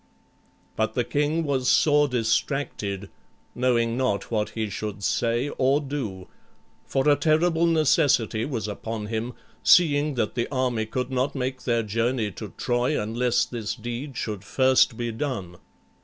But the king was sore distracted, knowing not what he should say or do, for a terrible necessity was upon him, seeing that the army could not make their journey to Troy unless this deed should first be done.